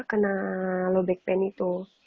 kena low back pan itu